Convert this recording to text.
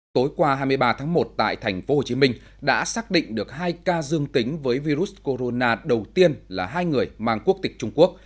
tối qua hai mươi ba tháng một tại tp hcm đã xác định được hai ca dương tính với virus corona đầu tiên là hai người mang quốc tịch trung quốc